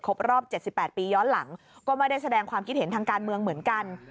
รอบ๗๘ปีย้อนหลังก็ไม่ได้แสดงความคิดเห็นทางการเมืองเหมือนกัน